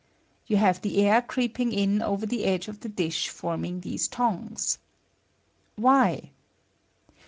You have the air creeping in over the edge of the dish forming these tongues. Why?